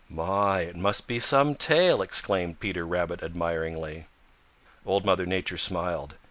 "My, it must be some tail!" exclaimed Peter Rabbit admiringly. Old Mother Nature smiled.